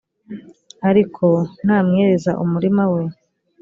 ariko namwereza umurima we